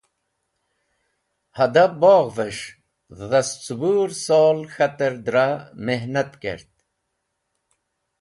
Hada bogh’ves̃h dhascẽbũr sol k̃hater dra mihnat kert.